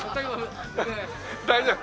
大丈夫？